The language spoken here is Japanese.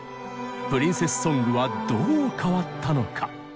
プリンセスソングはどう変わったのか。